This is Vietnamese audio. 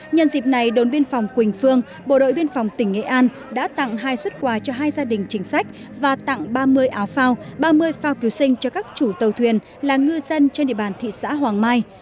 nhân dịp này đồn biên phòng quỳnh phương bộ đội biên phòng tỉnh nghệ an đã tặng hai xuất quà cho hai gia đình chính sách và tặng ba mươi áo phao ba mươi phao cứu sinh cho các chủ tàu thuyền là ngư dân trên địa bàn thị xã hoàng mai